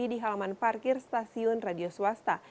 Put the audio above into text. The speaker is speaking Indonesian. di halaman parkir stasiun radio swasta